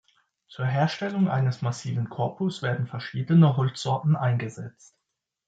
Zur Herstellung eines massiven Korpus werden verschiedene Holzsorten eingesetzt.